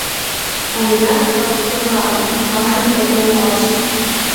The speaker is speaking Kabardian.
Аминат къэсцӏыхужакъым, башым хуэдэу гъуащ.